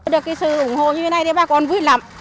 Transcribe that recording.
được cái sự ủng hộ như thế này thì bà con vui lắm